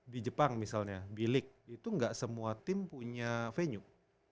di jepang misalnya b league itu gak semua tim punya venue